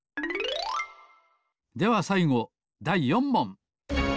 ではさいごだい４もん。